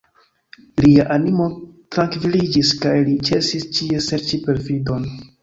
Lia animo trankviliĝis, kaj li ĉesis ĉie serĉi perfidon.